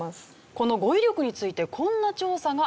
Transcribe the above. この語彙力についてこんな調査があるんです。